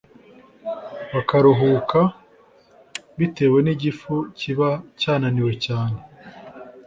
bakaruhuka bitewe nigifu kiba cyananiwe cyane